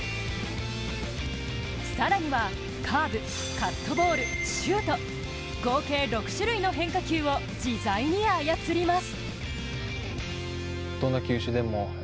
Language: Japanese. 更にはカーブ、カットボール、シュート合計６種類の変化球を自在に操ります。